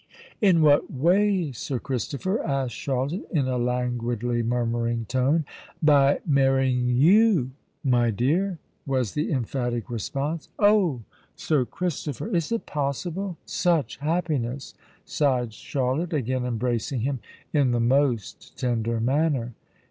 "In what way, Sir Christopher!" asked Charlotte, in a languidly murmuring tone. "By marrying you, my dear," was the emphatic response. "Oh! Sir Christopher—is it possible—such happiness!" sighed Charlotte, again embracing him in the most tender manner.